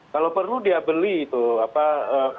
kalau perlu dia beli itu